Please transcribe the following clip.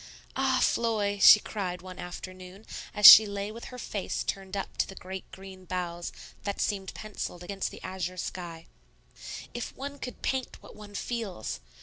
"Ah, Floy," she cried one afternoon, as she lay with her face turned up to the great green boughs that seemed pencilled against the azure sky, "if one could paint what one feels!